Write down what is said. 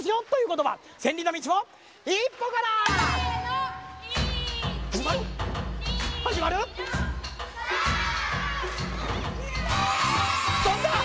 とんだ！